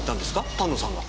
丹野さんが。